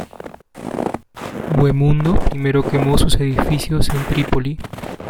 Bohemundo primero quemó sus edificios en Trípoli.